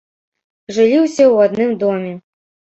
Жылі ўсе ў адным доме.